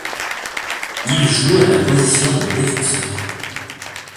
Il joue à la position de défenseur.